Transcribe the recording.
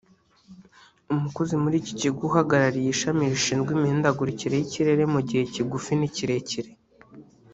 umukozi muri iki kigo Uhagarariye ishami rishinzwe imihindagurikire y’ikirere mu gihe kigufi n’ikirekire